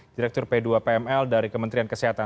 direktur p dua pml dari kementerian kesehatan